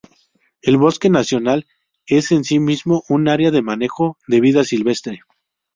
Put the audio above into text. El bosque nacional es en sí mismo un área de manejo de vida silvestre.